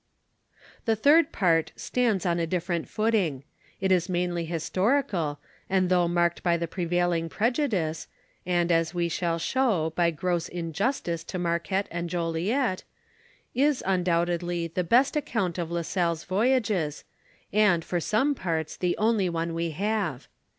The third part stands on n different footing; it is mainly historical, and though marked by the prevailing prejudice, and as we shall show by gross injus tice to Marquette and Joliet, is, undoubtedly, the best account of La Salle's voyages, and, for some parts, the only one we have.